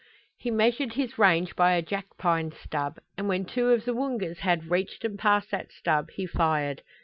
He measured his range by a jackpine stub, and when two of the Woongas had reached and passed that stub he fired.